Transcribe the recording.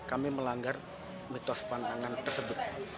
kami melanggar mitos pantangan tersebut